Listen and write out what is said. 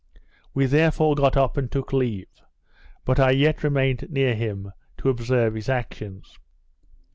We, therefore, got up and took leave; but I yet remained near him, to observe his actions.